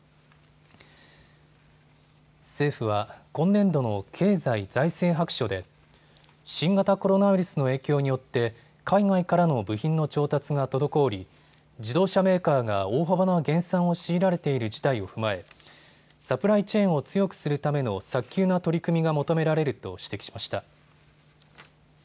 政府は今年度の経済財政白書で新型コロナウイルスの影響によって海外からの部品の調達が滞り、自動車メーカーが大幅な減産を強いられている事態を踏まえサプライチェーンを強くするための早急な取り組みが求められると指摘しました。